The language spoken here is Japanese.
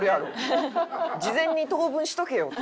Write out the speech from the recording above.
事前に等分しとけよって。